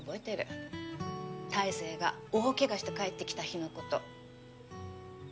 大成が大怪我して帰ってきた日の事。